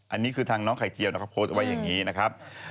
อันนี้คือทางน้องไข่เจียวเขาโพสต์ไว้อย่างนี้นะครับ